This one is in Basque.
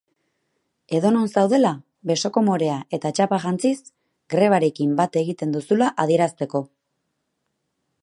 Edonon zaudela besoko morea eta txapa jantziz, grebarekin bat egiten duzula adierazteko.